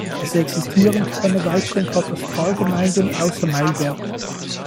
Es existieren keine weiteren Katastralgemeinden außer Mailberg.